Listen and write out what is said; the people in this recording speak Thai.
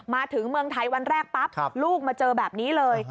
มาถึงเมืองไทยวันแรกปั๊บลูกมาเจอแบบนี้เลย